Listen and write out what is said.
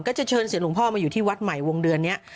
จะเชิญเสียหลวงพ่อมาอยู่ที่วัดใหม่วงเดือนนี้